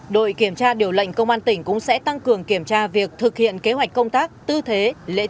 đội kiểm tra điều lệnh công an tỉnh cũng sẽ tăng cường kiểm tra việc thực hiện kế hoạch công tác tư thế lễ